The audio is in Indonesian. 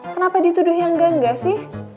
kenapa dituduh yang enggak enggak sih